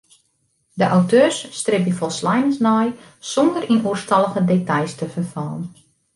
De auteurs stribje folsleinens nei sûnder yn oerstallige details te ferfallen.